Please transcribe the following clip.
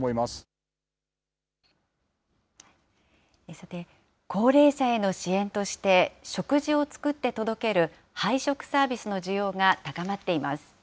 さて、高齢者への支援として、食事を作って届ける、配食サービスの需要が高まっています。